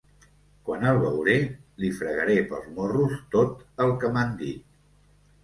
Quan el veuré li fregaré pels morros tot el que m'han dit.